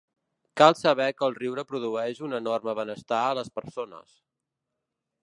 Cal saber que el riure produeix un enorme benestar a les persones.